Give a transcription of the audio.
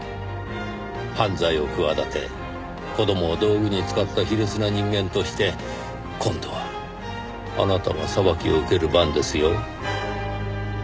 犯罪を企て子供を道具に使った卑劣な人間として今度はあなたが裁きを受ける番ですよ。